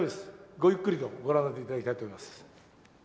ごゆっくりとご覧になって頂きたいと思います。